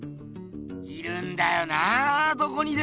いるんだよなどこにでも！